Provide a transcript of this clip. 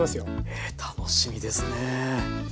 ええ楽しみですね。